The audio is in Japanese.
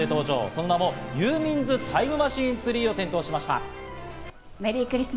その名もユーミンズ・タイムマシーン・ツリーを点灯しました。